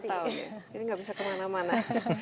jadi gak bisa kemana mana